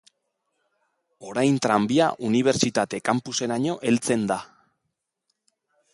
Orain tranbia unibertsitate-campuseraino heltzen da.